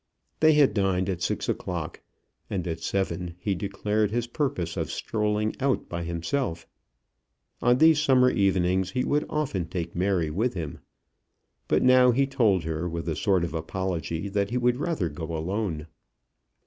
They had dined at six o'clock, and at seven he declared his purpose of strolling out by himself. On these summer evenings he would often take Mary with him; but he now told her, with a sort of apology, that he would rather go alone.